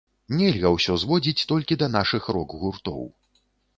Нельга ўсё зводзіць толькі да нашых рок-гуртоў.